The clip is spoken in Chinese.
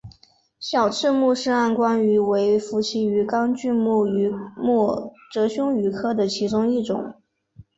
小翅穆氏暗光鱼为辐鳍鱼纲巨口鱼目褶胸鱼科的其中一种。